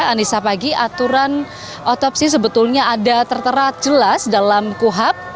anissa pagi aturan otopsi sebetulnya ada tertera jelas dalam kuhap